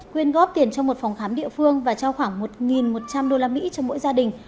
quyên góp tiền cho một phòng khám địa phương và trao khoảng một một trăm linh usd cho mỗi gia đình